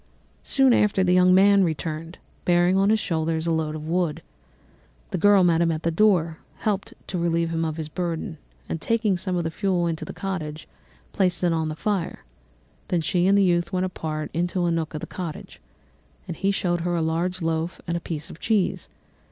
"Soon after this the young man returned, bearing on his shoulders a load of wood. The girl met him at the door, helped to relieve him of his burden, and taking some of the fuel into the cottage, placed it on the fire; then she and the youth went apart into a nook of the cottage, and he showed her a large loaf and a piece of cheese.